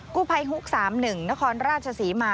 กู้ภัยฮุก๓๑นครราชศรีมา